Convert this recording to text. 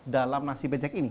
dalam nasi becek